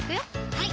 はい